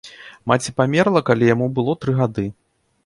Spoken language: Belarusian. Маці памерла, калі яму было тры гады.